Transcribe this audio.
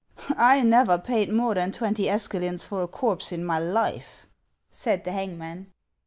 " I never paid more than twenty escalins for a corpse in my life," said the hangman.